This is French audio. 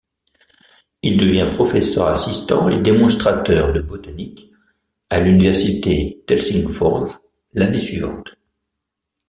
Il devient professeur-assistant et démonstrateur de botanique à l'université d'Helsingfors l'année suivante.